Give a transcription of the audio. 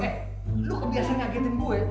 kalian kebiasa kegagetan gue